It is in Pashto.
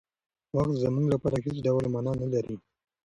وخت زموږ لپاره هېڅ ډول مانا نهلري.